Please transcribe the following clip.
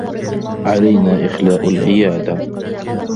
علينا إخلاء العيادة.